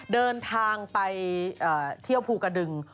เดินทางไปเที่ยวภูกระดึง